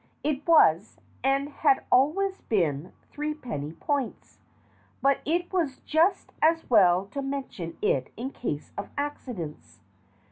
It was, and had always been, threepenny points ; but it was just as well to mention it in case of accidents.